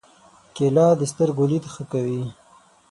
کېله د سترګو لید ښه کوي.